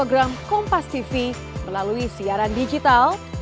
oke ya terima kasih ya